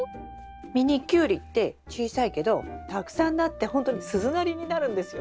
ミニキュウリって小さいけどたくさんなってほんとに鈴なりになるんですよ。